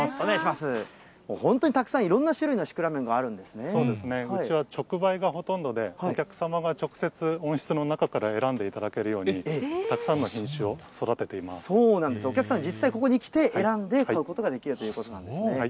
本当にたくさん、いろんな種類のそうですね、うちは直売がほとんどで、お客様が直接、温室の中から選んでいただけるように、そうなんです、お客さん、実際にここに来て、選んで買うことができるということなんですね。